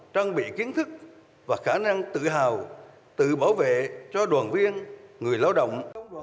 trang bị kiến thức và khả năng tự hào tự bảo vệ cho đoàn viên người lao động